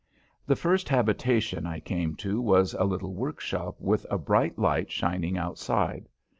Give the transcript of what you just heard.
The first habitation I came to was a little workshop with a bright light shining outside.